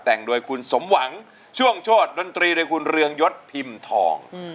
แต่งโดยคุณสมหวังช่วงโชธดนตรีโดยคุณเรืองยศพิมพ์ทอง